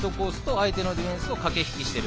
相手のディフェンスと駆け引きをしている。